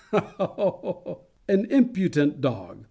Hah, hah, hah! An impudent dog!